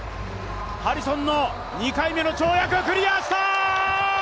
ハリソンの２回目の跳躍クリアした！